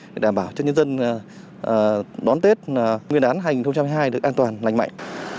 để đảm bảo cho nhân dân đón tết nguyên đán hai nghìn hai mươi hai được an toàn lành mạnh